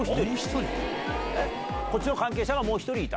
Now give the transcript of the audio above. こっちの関係者がもう１人いた？